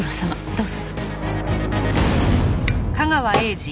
どうぞ。